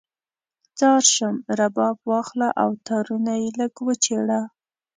ځار شم، رباب واخله او تارونه یې لږ وچیړه